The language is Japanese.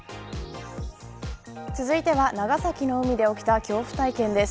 続いては、長崎の海で起きた恐怖体験です。